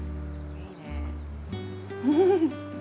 うん。